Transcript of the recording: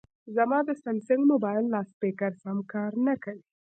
زما د سامسنګ مبایل لاسپیکر سم کار نه کوي